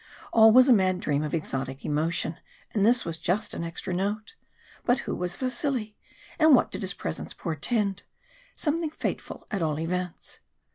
All was a mad dream of exotic emotion, and this was just an extra note. But who was Vasili? And what did his presence portend? Something fateful at all events.